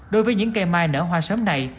đối với những cây mai nở hoa sớm này